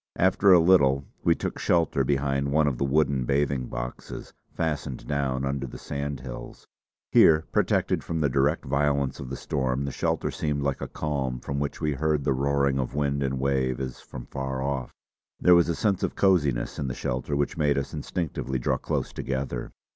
After a little we took shelter behind one of the wooden bathing boxes fastened down under the sandhills. Here, protected from the direct violence of the storm, the shelter seemed like a calm from which we heard the roaring of wind and wave as from far off. There was a sense of cosiness in the shelter which made us instinctively draw close together.